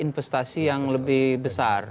investasi yang lebih besar